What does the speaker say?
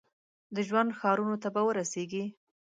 د ژوند ښارونو ته به ورسیږي ؟